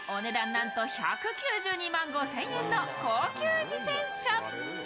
なんと１９２万５０００円の高級自転車。